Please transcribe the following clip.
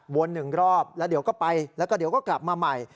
หนึ่งรอบแล้วเดี๋ยวก็ไปแล้วก็เดี๋ยวก็กลับมาใหม่